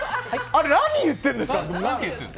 あれ何言ってるんですか？